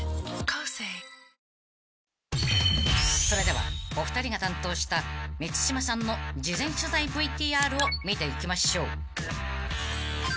［それではお二人が担当した満島さんの事前取材ＶＴＲを見ていきましょう］